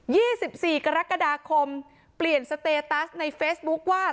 ี่สิบสี่กรกฎาคมเปลี่ยนสเตตัสในเฟซบุ๊คว่า